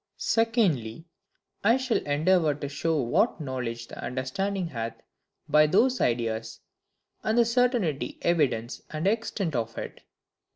Secondly, I shall endeavour to show what knowledge the understanding hath by those ideas; and the certainty, evidence, and extent of it.